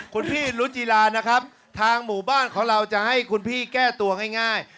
คุณพี่รุจิลานะครับทางหมู่บ้านของเราจะให้คุณพี่แก้ตัวง่าย